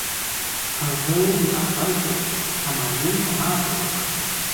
هغه د بابر زوی همایون ته ماتي ورکړه.